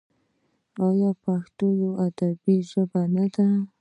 آیا پښتو یوه ادبي ژبه نه ده؟